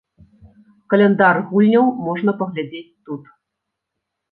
Каляндар гульняў можна паглядзець тут.